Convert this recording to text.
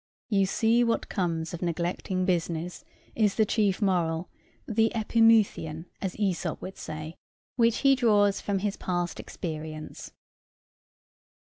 'You see what comes of neglecting business,' is the chief moral, the [Greek: epimutheon], as Æsop would say, which he draws from his past experience."